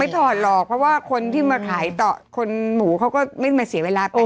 ถอดหรอกเพราะว่าคนที่มาขายต่อคนหมูเขาก็ไม่มาเสียเวลาต่อ